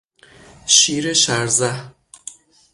شیر شرزه